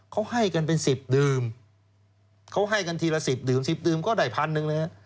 เขาให้กันเป็นสิบดื่มเขาให้กันทีละสิบดื่มสิบดื่มก็ได้พันหนึ่งนะฮะ